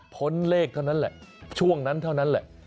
เลขเท่านั้นแหละช่วงนั้นเท่านั้นแหละ